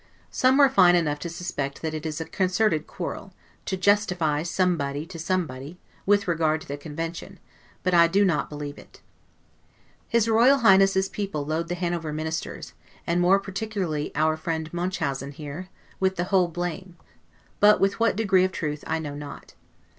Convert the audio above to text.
Some refine enough to suspect that it is a concerted quarrel, to justify SOMEBODY TO SOMEBODY, with regard to the Convention; but I do not believe it. His R. H.'s people load the Hanover Ministers, and more particularly our friend Munchausen here, with the whole blame; but with what degree of truth I know not.